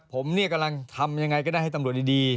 ผมเนี่ยกำลังทำยังไงก็ได้ให้ตำรวจดี